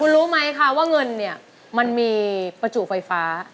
รู้ไหมคะว่าเงินเนี่ยมันมีประจุไฟฟ้า